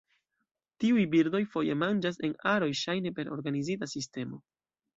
Tiuj birdoj foje manĝas en aroj, ŝajne per organizita sistemo.